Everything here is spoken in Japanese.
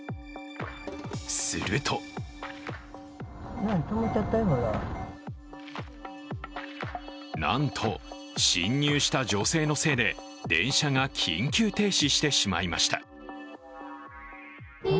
するとなんと、侵入した女性のせいで電車が緊急停止してしまいました。